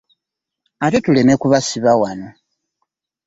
Ate tuleme kubasiba wano.